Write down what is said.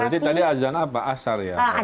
berarti tadi azan apa asar ya